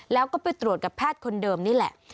แล้วก็ไปตรวจกับแพทย์คนเดิมนี่แหละ